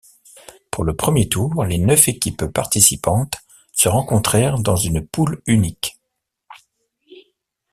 Pour le premier tour, les neuf équipes participantes se rencontrèrent dans une poule unique.